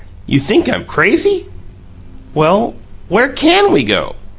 You think I'm crazy?" "Well, where CAN we go?"